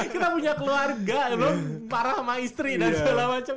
kita punya keluarga marah sama istri dan segala macam